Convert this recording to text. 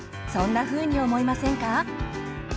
そんなふうに思いませんか？